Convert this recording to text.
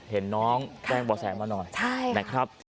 เห็นน้องแจ้งบ่อแสมาหน่อยนะครับ